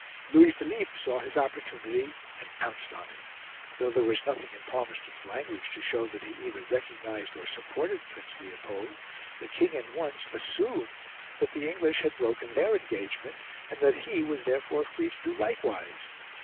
Louis Philippe saw his opportunity and pounced on it. Though there was nothing in Palmerston's language to show that he either recognised or supported Prince Leopold, the King at once assumed that the English had broken their engagement, and that he was therefore free to do likewise.